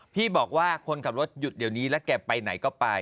พี่บอกว่าคนขับรถหยุดเดี๋ยวนี้แล้วแกไปไหนก็ไป